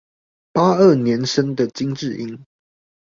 八二年生的金智英